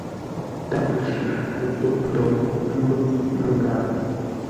Tâʼ ntsʉ lə pə́ghʼ ndou, ə́ mbə́ghʼ mə́ngáa.